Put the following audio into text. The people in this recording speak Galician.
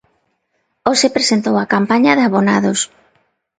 Hoxe presentou a campaña de abonados.